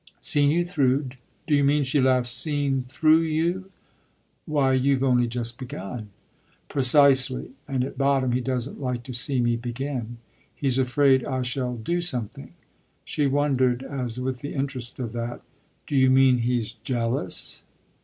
"Seen you through? Do you mean," she laughed, "seen through you? Why you've only just begun." "Precisely, and at bottom he doesn't like to see me begin. He's afraid I shall do something." She wondered as with the interest of that. "Do you mean he's jealous?"